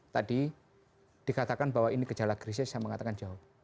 tadi dikatakan bahwa ini gejala krisis saya mengatakan jauh